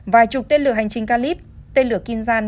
vài chục tên lửa hành trình kalib tên lửa kinzhan